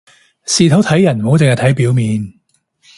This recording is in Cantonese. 事頭睇人唔好淨係睇表面